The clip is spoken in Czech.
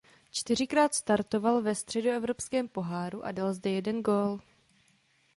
Čtyřikrát startoval ve Středoevropském poháru a dal zde jeden gól.